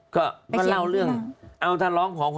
ก็เล่าเรื่องเอาท่านร้องขอความเป็นธรรม